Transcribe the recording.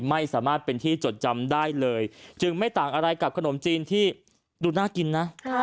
ไม่สามารถเป็นที่จดจำได้เลยจึงไม่ต่างอะไรกับขนมจีนที่ดูน่ากินนะ